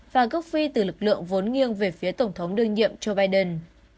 và gốc phi từ lực lượng vốn nghiêng về phía tổng thống đương nhiệm joe biden